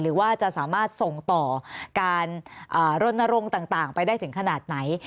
หรือว่าจะสามารถส่งต่อการรณรงค์ต่างไปได้ถึงขนาดไหน